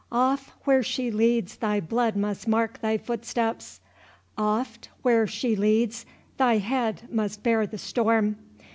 Oft where she leads thy blood must mark thy footsteps, Oft where she leads thy head must bear the storm.